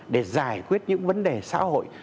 để giải quyết những vấn đề xã hội